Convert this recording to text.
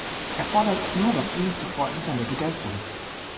Er fordert nur das ihm zuvor entwendete Geld zurück.